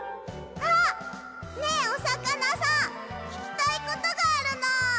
あっねえおさかなさんききたいことがあるの！